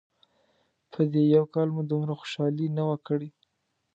په دې یو کال مو دومره خوشحالي نه وه کړې.